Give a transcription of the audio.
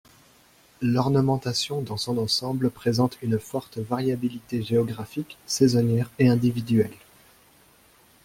L'ornementation dans son ensemble présente une forte variabilité géographique, saisonnière et individuelle.